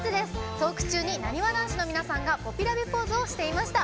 トーク中になにわ男子の皆さんがポピラビポーズをしていました。